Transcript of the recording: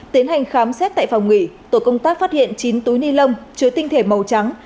tiến hành khám xét tại phòng nghỉ tổ công tác phát hiện chín túi ni lông chứa tinh thể màu trắng